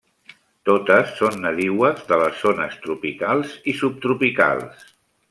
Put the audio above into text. Totes són nadiues de les zones tropicals i subtropicals.